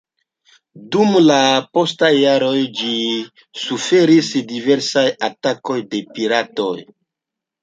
Dum la postaj jaroj ĝi suferis diversajn atakojn de piratoj.